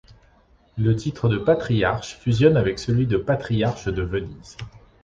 Le titre de patriarche fusionne avec celui de patriarche de Venise.